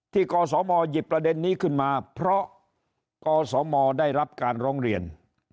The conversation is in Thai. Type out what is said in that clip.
กศมหยิบประเด็นนี้ขึ้นมาเพราะกสมได้รับการร้องเรียน